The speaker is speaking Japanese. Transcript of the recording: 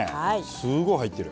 すごい入ってる。